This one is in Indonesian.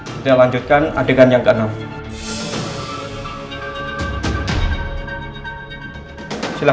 saya memukul korban karena kesah